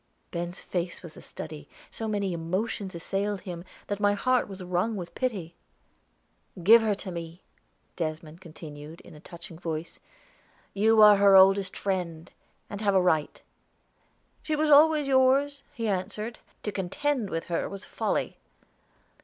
Ben's face was a study; so many emotions assailed him that my heart was wrung with pity. "Give her to me," Desmond continued in a touching voice. "You are her oldest friend, and have a right." "She was always yours," he answered. "To contend with her was folly."